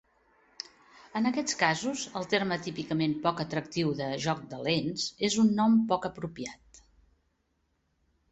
En aquests casos, el terme típicament poc atractiu de "joc de lents" és un nom poc apropiat.